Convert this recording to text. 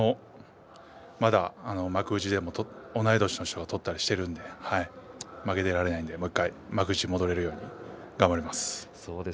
まだ幕内で同い年の人が取ったりしているので負けていられないので、もう１回幕内に戻れるように頑張ります。